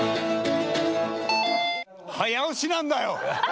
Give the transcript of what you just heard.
早押しなんだよ！